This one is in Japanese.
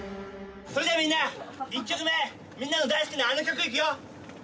それじゃあみんな１曲目みんなが大好きなあの曲いくよ！